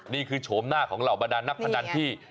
โฉมหน้าของเหล่าบรรดานนักพนันที่